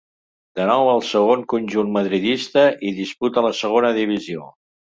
De nou al segon conjunt madridista, hi disputa la Segona Divisió.